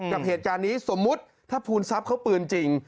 กับเหตุการณ์นี้สมมุติถ้าภูมิทรัพย์เขาปืนจริง